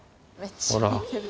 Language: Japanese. ほら。